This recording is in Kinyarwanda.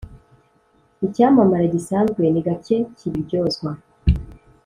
icyamamare gisanzwe ni gake kibiryozwa